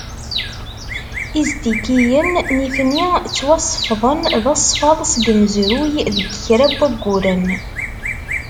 Iztikiyen, nitni, ttwasefḍen d asfaḍ seg umezruy deg kra n wayyuren.